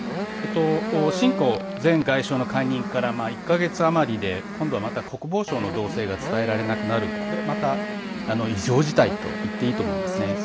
秦剛前外相の解任から１か月余りで今度はまた国防相の動静が伝えられなくなるこれ、また異常事態と言っていいと思いますね。